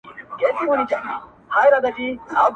هر يوه يې افسانې بيانولې؛